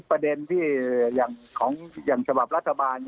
ประเด็นที่อย่างชาวภัพรัฐบาล